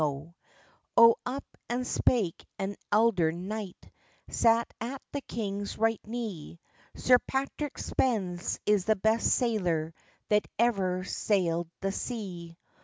O up and spake an eldern knight, Sat at the king's right knee: "Sir Patrick Spens is the best sailor That ever saild the sea."